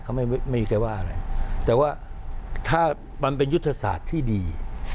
เขาไม่ไม่มีใครว่าอะไรแต่ว่าถ้ามันเป็นยุทธศาสตร์ที่ดี